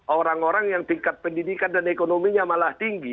orang orang yang tingkat pendidikan dan ekonominya malah tinggi